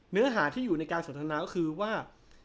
เนื้อหาที่อยู่ในการสนทนาก็คือว่า